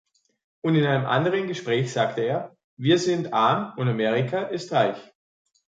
Und in einem anderen Gespräch sagte er: „Wir sind arm und Amerika ist reich.